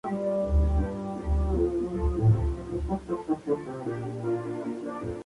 Fue rodada en Buitrago del Lozoya, Pedraza, Peñafiel y Talamanca del Jarama.